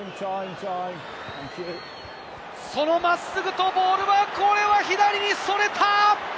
その真っすぐ、ボールは左にそれた！